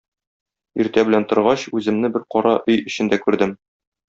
Иртә белән торгач, үземне бер кара өй эчендә күрдем.